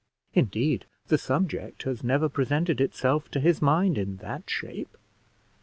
Indeed, the subject has never presented itself to his mind in that shape.